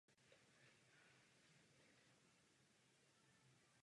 Po německé selské válce se však definitivně zařadil na stranu katolicismu.